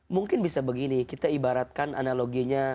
mungkin bisa begini kita ibaratkan analoginya